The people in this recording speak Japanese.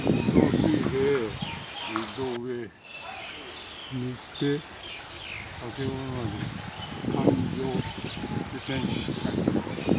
水兵ミッドウェーにてあけぼの丸艦上で戦死って書いてある。